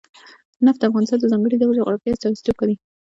نفت د افغانستان د ځانګړي ډول جغرافیه استازیتوب کوي.